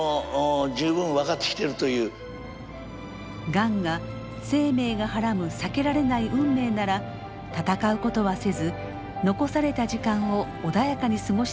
がんが生命がはらむ避けられない運命なら闘うことはせず残された時間を穏やかに過ごしたいというものでした。